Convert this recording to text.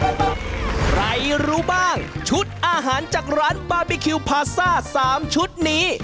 ใครรู้บ้างชุดอาหารจากร้านบาร์บีคิวพาซ่า๓ชุดนี้